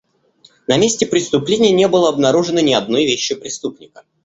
На месте преступления не было обнаружено ни одной вещи преступника.